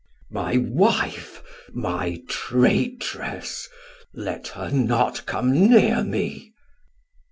Sam: My Wife, my Traytress, let her not come near me.